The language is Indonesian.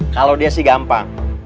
kalau dia sih gampang